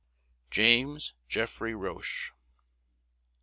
JAMES JEFFREY ROCHE.